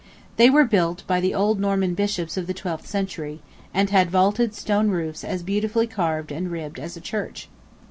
They were build by the old Norman bishops of the twelfth century, and had vaulted stone roofs as beautifully carved and ribbed as a church.